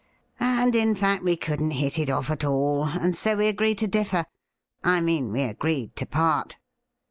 And, in fact, we couldn't hit it off at all, and so we agreed to differ — I mean, we agreed to part.'